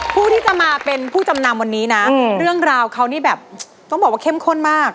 ผู้ที่จะมาเป็นผู้จำนำวันนี้นะเรื่องราวเขานี่แบบต้องบอกว่าเข้มข้นมาก